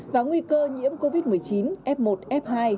và nguy cơ nhiễm covid một mươi chín f một f hai